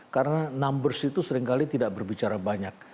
karena numbers itu seringkali terlalu banyak